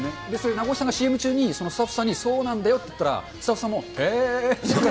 名越さんがＣＭ中に、スタッフさんにそうなんだよって言ったら、スタッフさんも、へーって。